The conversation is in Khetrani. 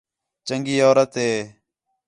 چَنڳی عورت ہیں